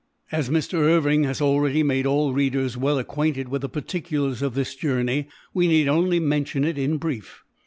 As Mr. Irving has already made all readers well acquainted with the particulars of this journey, we need only mention it in brief.